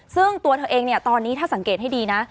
ซึ่งตัวเธอเองเนี่ยตอนนี้ถ้าสังเกตให้ดีนะ